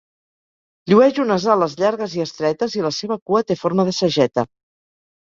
Llueix unes ales llargues i estretes i la seva cua té forma de sageta.